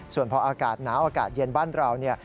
ส่วนพออากาศหนาวอากาศเย็นบ้านเราเนี่ย